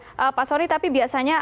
iya pak sori tapi biasanya